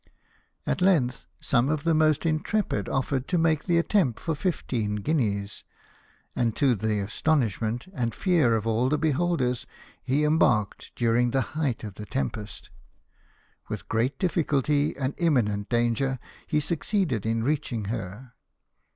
At length some of the most intrepid offered to make the attempt for fifteen guineas ; and, to the astonishment and fear of all the beholders, he embarked during the height of the tempest. With great difficulty and imminent danger he succeeded in reaching her.